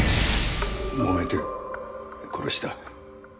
もめて殺した。